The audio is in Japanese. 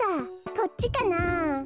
こっちかなあ。